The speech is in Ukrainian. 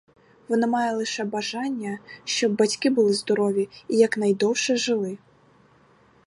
Вона має лише бажання, щоб батьки були здорові і якнайдовше жили.